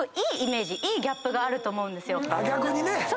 逆にね。